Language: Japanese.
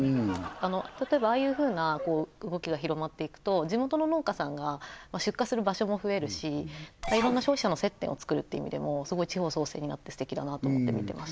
例えばああいうふうな動きが広まっていくと地元の農家さんが出荷する場所も増えるしいろんな消費者の接点をつくるって意味でもすごい地方創生になってすてきだなと思って見てました